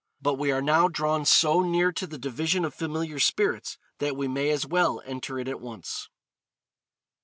But we are now drawn so near to the division of Familiar Spirits that we may as well enter it at once.